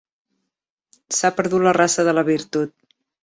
S'ha perdut la raça de la virtut.